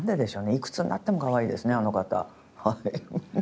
いくつになってもかわいいですねあの方はい。